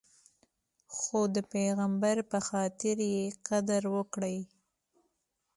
خو د پیغمبر په خاطر یې قدر وکړئ.